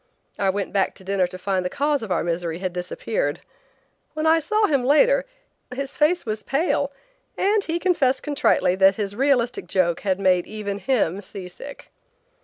I went back to dinner to find the cause of our misery had disappeared. When I saw him later, his face was pale and he confessed contritely that his realistic joke had made even him seasick.